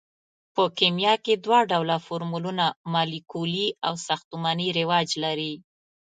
په کیمیا کې دوه ډوله فورمولونه مالیکولي او ساختماني رواج لري.